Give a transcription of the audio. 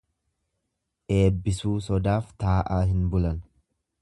Eebbisuu sodaaf taa'aa hin bulan.